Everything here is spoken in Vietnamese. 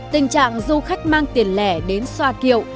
tình trạng du khách mang tiền lẻ đến xoa kiệu